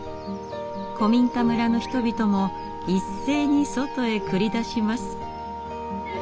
古民家村の人々も一斉に外へ繰り出します。